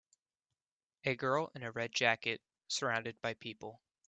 A girl in a red jacket, surrounded by people.